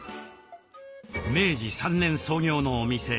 明治３年創業のお店。